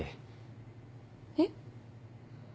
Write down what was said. えっ？